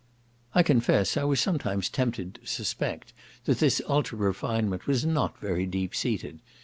I confess I was sometimes tempted to suspect that this ultra refinement was not very deep seated.